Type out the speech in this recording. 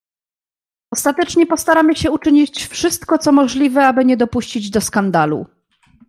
"Ostatecznie postaramy się uczynić wszystko możliwe, by nie dopuścić do skandalu."